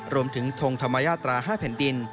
รวมถึงทงธรรมยาตรา๕แผ่นดิน